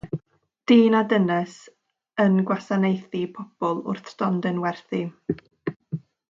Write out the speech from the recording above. Dyn a dynes yn gwasanaethu pobl wrth stondin werthu.